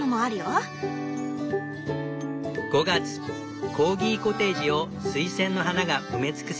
コーギコテージをスイセンの花が埋め尽くす。